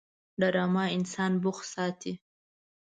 ډرامه انسان بوخت ساتي